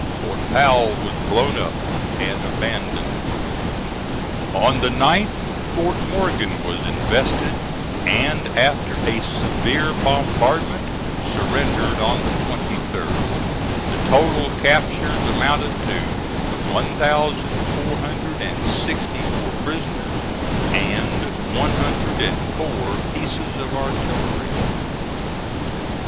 Fort Powell was blown up and abandoned. On the 9th, Fort Morgan was invested, and, after a severe bombardment, surrendered on the 23d. The total captures amounted to one thousand four hundred and sixty four prisoners, and one hundred and four pieces of artillery.